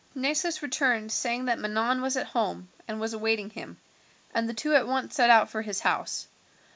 Nessus returned saying that Manon was at home and was awaiting him, and the two at once set out for his house.